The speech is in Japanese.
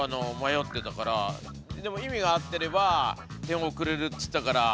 でも意味が合ってれば点をくれるっつったから。